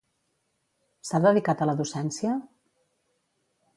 S'ha dedicat a la docència?